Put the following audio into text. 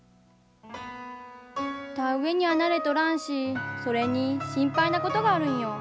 田植えには慣れとらんしそれに心配なことがあるんよ。